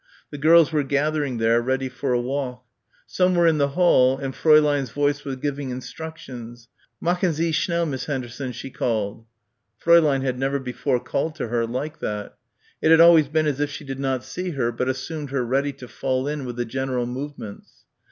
The girls were gathering there ready for a walk. Some were in the hall and Fräulein's voice was giving instructions: "Machen Sie schnell, Miss Henderson," she called. Fräulein had never before called to her like that. It had always been as if she did not see her but assumed her ready to fall in with the general movements.